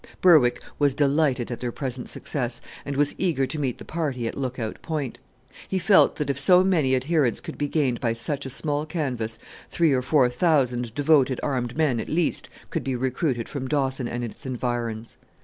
Berwick was delighted at their present success, and was eager to meet the party at Lookout Point. He felt that if so many adherents could be gained by such a small canvass, three or four thousand devoted armed men, at least, could be recruited from Dawson and its environs.